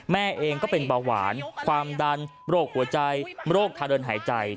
แม่เองก็เป็นเบาหวานความดันโรคหัวใจโรคทาเดินหายใจ